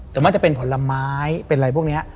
ส่วนมากจะเป็นผลไม้เป็นอะไรพวกนี้